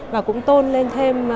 và cũng tôn lên thêm